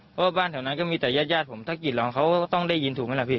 เพราะว่าบ้านแถวนั้นก็มีแต่ญาติญาติผมถ้ากรีดร้องเขาก็ต้องได้ยินถูกไหมล่ะพี่